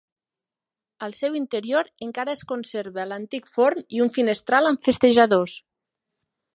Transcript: Al seu interior encara es conserva l'antic forn i un finestral amb festejadors.